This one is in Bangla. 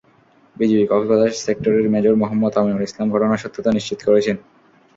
বিজিবি কক্সবাজার সেক্টরের মেজর মুহাম্মদ আমিনুল ইসলাম ঘটনার সত্যতা নিশ্চিত করেছেন।